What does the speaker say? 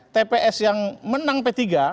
tps yang menang p tiga